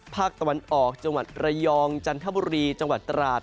ภาคตะวันออกจังหวัดระยองจันทบุรีจังหวัดตราด